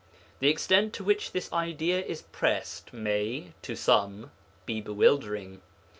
The extent to which this idea is pressed may, to some, be bewildering.